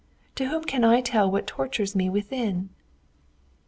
To whom can I tell that which tortures me within?"